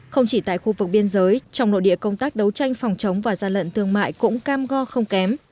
không chỉ tại khu vực biên giới trong nội địa công tác đấu tranh phòng chống và gian lận thương mại cũng cam go không kém